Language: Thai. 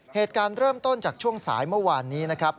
เหตุการณ์เริ่มต้นจากช่วงสายเมื่อวานนี้นะครับ